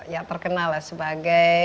ya terkenal lah sebagai